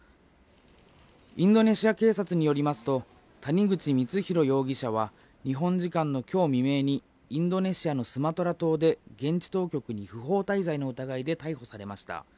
インドネシア警察によりますと、谷口光弘容疑者は、日本時間のきょう未明に、インドネシアのスマトラ島で、現地当局に不法滞在の疑いで逮捕されました。